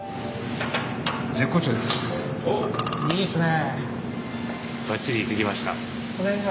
いいですね。